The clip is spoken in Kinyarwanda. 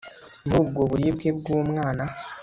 Muri ubwo buribwe bwumwana